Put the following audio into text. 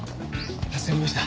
助かりました。